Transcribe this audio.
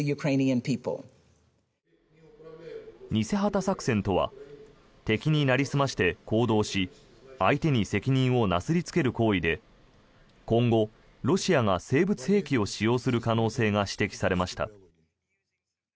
偽旗作戦とは敵になりすまして行動し相手に責任をなすりつける行為で今後、ロシアが生物兵器を使用する可能性が指摘されました。